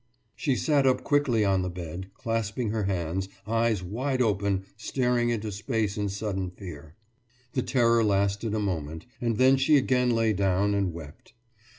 « She sat up quickly on the bed, clasping her hands, eyes wide open staring into space in sudden fear. The terror lasted a moment, and then she again lay down and wept.